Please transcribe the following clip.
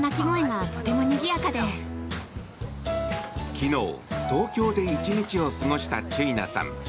昨日、東京で１日を過ごしたチュイナさん。